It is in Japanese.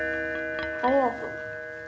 「ありがと」。